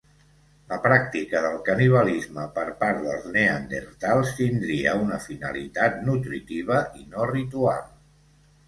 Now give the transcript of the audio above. La pràctica del canibalisme per part dels neandertals tindria una finalitat nutritiva i no ritual.